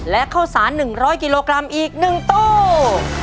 และข้าวสาร๑๐๐กิโลกรัมอีก๑ตู้